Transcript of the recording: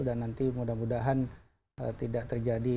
dan nanti mudah mudahan tidak terjadi